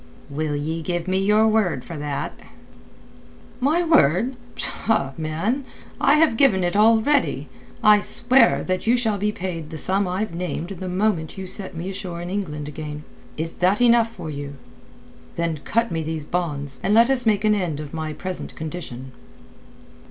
"Will ye give me your word for that?" "My word? Pshaw, man! I have given it already. I swear that you shall be paid the sum I've named the moment you set me ashore again in England. Is that enough for you? Then cut me these bonds, and let us make an end of my present condition."